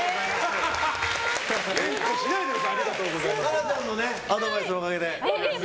香菜ちゃんのアドバイスのおかげで。